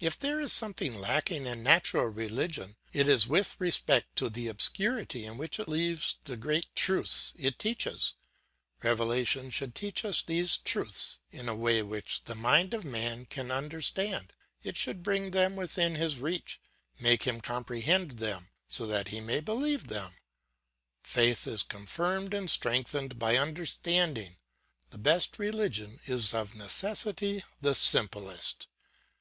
If there is something lacking in natural religion, it is with respect to the obscurity in which it leaves the great truths it teaches; revelation should teach us these truths in a way which the mind of man can understand; it should bring them within his reach, make him comprehend them, so that he may believe them. Faith is confirmed and strengthened by understanding; the best religion is of necessity the simplest.